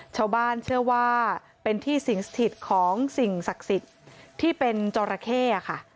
ชาวบ้านเชื่อว่าเป็นที่สิงสถิตของสิ่งศักดิ์สิทธิ์ที่เป็นจอราเข้ค่ะ